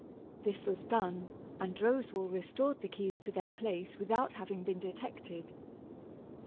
This was done, and Roswal restored the keys to their place without having been detected.